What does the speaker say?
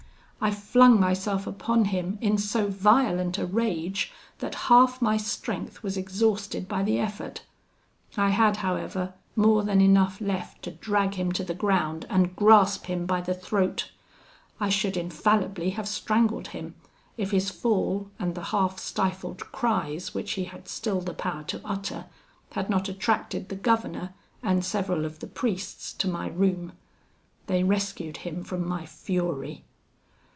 I flung myself upon him in so violent a rage that half my strength was exhausted by the effort. I had, however, more than enough left to drag him to the ground, and grasp him by the throat. I should infallibly have strangled him, if his fall, and the half stifled cries which he had still the power to utter, had not attracted the governor and several of the priests to my room. They rescued him from my fury.